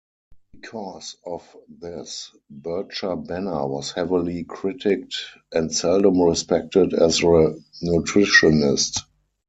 Because of this, Bircher-Benner was heavily critiqued and seldom respected as a nutritionist.